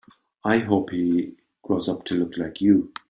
I hope he grows up to look like you.